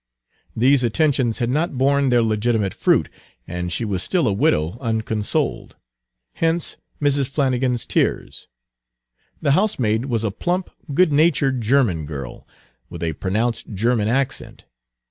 These attentions had not borne their legitimate fruit, and she was still a widow unconsoled, hence Mrs. Flannigan's tears. The housemaid was a plump, good natured German girl, with a pronounced German accent.